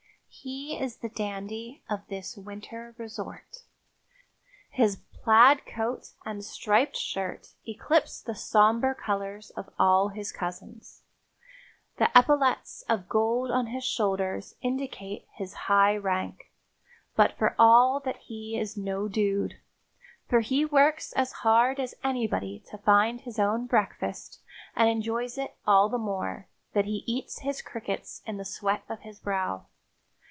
He is the dandy of this winter resort. His plaid coat and striped shirt eclipse the somber colors of all his cousins. The epaulettes of gold on his shoulders indicate his high rank; but for all that he is no dude, for he works as hard as anybody to find his own breakfast and enjoys it all the more that he eats his crickets in the sweat of his brow.